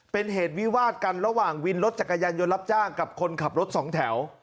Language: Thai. เป็นเหตุวิวาดกันระหว่างวินรถจักรยานยนต์รับจ้างกับคนขับรถสองแถว